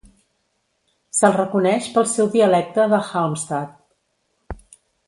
Se'l reconeix pel seu dialecte de Halmstad.